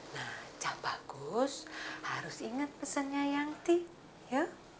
nah yang bagus harus ingat pesannya yangti ya